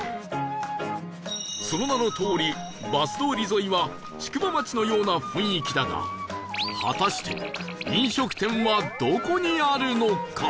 その名のとおりバス通り沿いは宿場町のような雰囲気だが果たして飲食店はどこにあるのか？